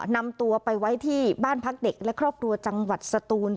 นำตัวไปไว้ที่บ้านพักเด็กและครอบครัวจังหวัดสตูน